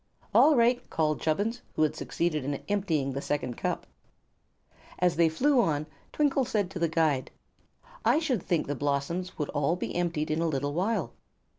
"All right," called Chubbins, who had succeeded in emptying the second cup. As they flew on Twinkle said to the guide: "I should think the blossoms would all be emptied in a little while."